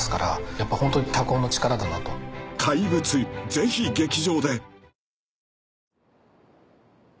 ぜひ劇場で！］